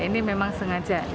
ini memang sengaja